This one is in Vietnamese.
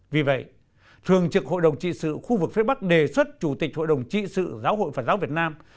vì vậy thường trực hội đồng trị sự khu vực phía bắc đề xuất chủ tịch hội đồng trị sự giáo hội phật giáo việt nam